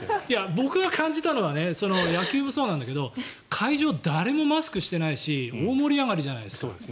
僕が感じたのは野球もそうなんだけど会場、誰もマスクしてないし大盛り上がりじゃないですか。